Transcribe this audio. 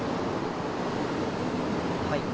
はい。